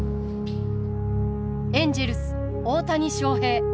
エンジェルス大谷翔平。